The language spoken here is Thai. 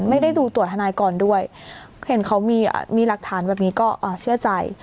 ไม่ได้ดูตัวทนายก่อนด้วยเห็นเขามีหลักฐานแบบนี้ก็เชื่อใจ